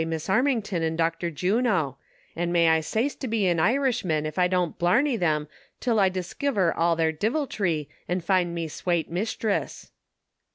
Miss Armington an' Dr. Juno, an' may I sace to be an Irishman ef I don't blarney them till 1 diskiver all their diviltry an' find me swate mishtress."